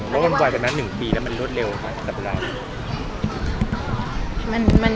แล้วมันไหวไปมา๑ปีแล้วมันรวดเร็วค่ะ